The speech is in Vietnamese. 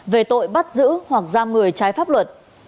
về tội bắt giữ hoặc giam người trái pháp luật